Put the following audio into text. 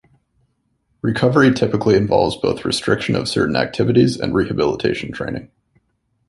Recovery typically involves both restriction of certain activities and rehabilitation training.